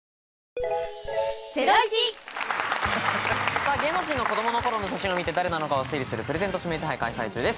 さぁ芸能人の子供の頃の写真を見て誰なのかを推理するプレゼント指名手配開催中です